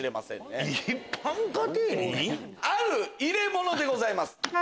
ある入れ物でございます。